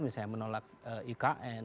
misalnya menolak ikn